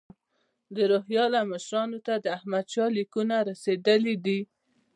د روهیله مشرانو ته د احمدشاه لیکونه رسېدلي دي.